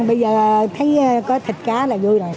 bây giờ thấy có thịt cá là vui rồi